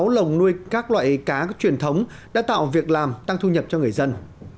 chín trăm hai mươi sáu lồng nuôi các loại cá truyền thống đã tạo việc làm tăng thu nhập cho người dân